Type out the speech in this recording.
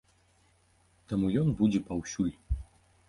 Таму ён будзе паўсюль.